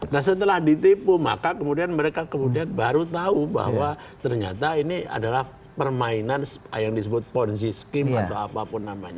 nah setelah ditipu maka kemudian mereka kemudian baru tahu bahwa ternyata ini adalah permainan yang disebut ponzi skim atau apapun namanya